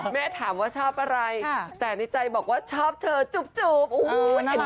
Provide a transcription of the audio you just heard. แม่ถามว่าชอบอะไรแต่ในใจบอกว่าชอบเธอจุ๊บจุ๊บโอ้โหน่ารักค่ะ